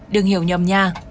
đừng hiểu nhầm nha